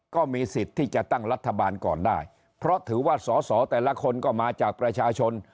ก็มีสิทธิ์ที่จะตั้งรัฐบาลก่อนได้เพราะถือว่าสอสอแต่ละคนก็มาจากประชาชน